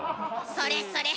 それそれ